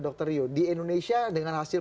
dr ryu di indonesia dengan hasil